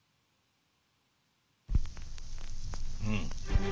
うん。